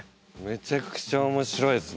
めちゃくちゃ面白いですね。